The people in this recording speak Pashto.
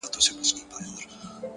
هره لاسته راوړنه د صبر له لارې راځي.!